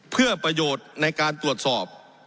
เพื่อประโยชน์ในการตรวจสอบ